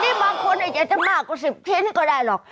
นี่บางคนอาจจะมากกว่า๑๐ชิ้นก็ได้หรอก